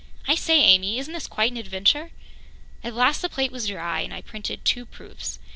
I say, Amy, isn't this quite an adventure?" At last the plate was dry, and I printed two proofs.